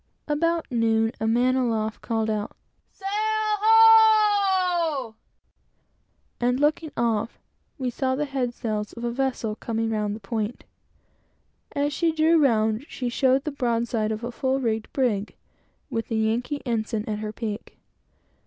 About noon, a man aloft called out "Sail ho!" and looking round, we saw the head sails of a vessel coming round the point. As she drew round, she showed the broadside of a full rigged brig, with the Yankee ensign at her peak.